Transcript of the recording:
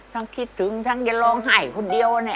ทั้งคิดถึงทั้งจะลองไห่คนเดียวนี่